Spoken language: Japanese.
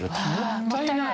もったいない。